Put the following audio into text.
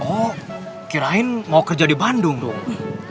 oh kirain mau kerja di bandung dong